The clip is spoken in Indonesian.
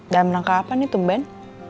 dalam rangka apa nih tuh main